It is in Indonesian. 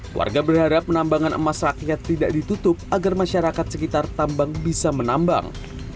keluarga berharap penambangan emas rakyat tidak ditutup agar masyarakat sekitar tambang bisa menambang